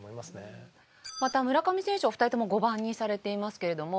また村上選手はお二人とも５番にされていますけれども。